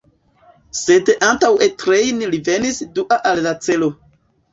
Sen antaŭe trejni li venis dua al la celo.